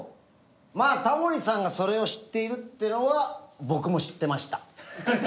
まあタモリさんがそれを知っているっていうのは僕も知ってました。